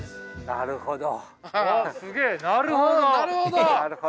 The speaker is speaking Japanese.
なるほど。